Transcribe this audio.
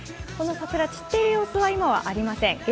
この桜散っている様子は今はありません。